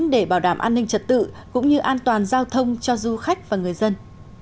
để bảo đảm an ninh trật tự cũng như an toàn giao thông cho du khách và người dân